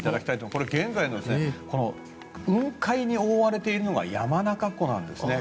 これ、現在の雲海に覆われているのが山中湖なんですね。